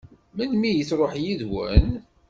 Melmi i tṛuḥ yid-wen?